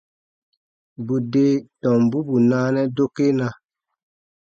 Bù de tombu bù naanɛ dokena.